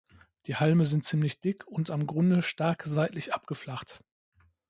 Die Halme sind ziemlich dick und am Grunde stark seitlich abgeflacht.